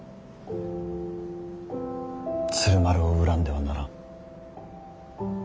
鶴丸を恨んではならん。